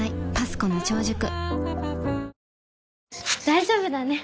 大丈夫だね。